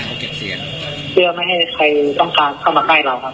ยิงเพื่อเปิดทางครับเพื่อไม่ให้ใครต้องการเข้ามาใกล้เราครับ